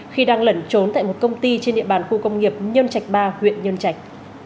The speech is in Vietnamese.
khi đang lẩn trốn tại một công ty trên địa bàn khu công nghiệp nhân trạch ba huyện nhân trạch